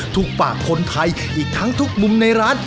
ปากคนไทยอีกทั้งทุกมุมในร้าน